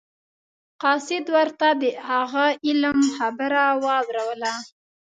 قاصد ورته د هغه عالم خبره واوروله.